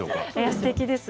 すてきです。